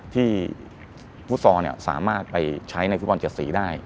ฟุตซอลสามารถไปใช้ในฟุตบอล๗สีได้